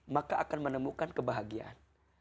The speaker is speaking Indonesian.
maka akan menemukan kebahagiaan